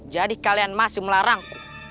jadi kalian masih melarangku